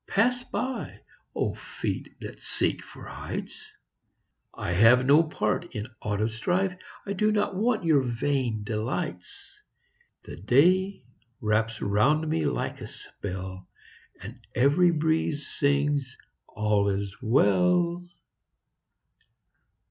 Pass by, oh, feet that seek for heights! I have no part in aught of strife; I do not want your vain delights. The day wraps round me like a spell, And every breeze sings, "All is well."